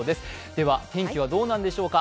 では、天気はどうなんでしょうか。